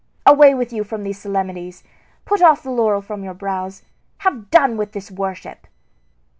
Away with you from these solemnities, put off the laurel from your brows, have done with this worship!"